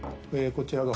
こちらが」